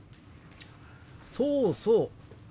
そうそう。